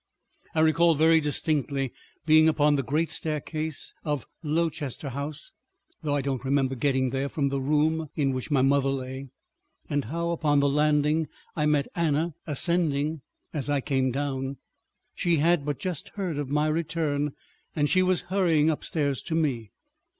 I recall very distinctly being upon the great staircase of Lowchester House (though I don't remember getting there from the room in which my mother lay), and how upon the landing I met Anna ascending as I came down. She had but just heard of my return, and she was hurrying upstairs to me.